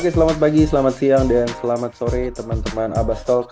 oke selamat pagi selamat siang dan selamat sore teman teman abastolf